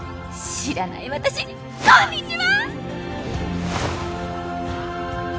知らない私こんにちは！